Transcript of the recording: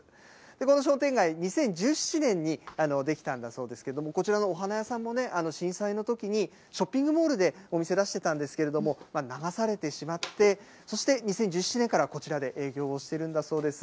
この商店街、２０１７年に出来たんだそうなんですけども、こちらのお花屋さんもね、震災のときに、ショッピングモールでお店出してたんですけれども、流されてしまって、そして２０１７年からこちらで営業をしているんだそうです。